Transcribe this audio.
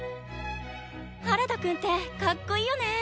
原田くんってかっこいいよね。